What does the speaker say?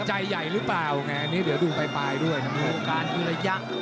ใจใหญ่หรือเปล่าอันนี้เดี๋ยวดูไปด้วยนะครับ